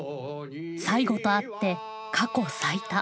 最後とあって過去最多。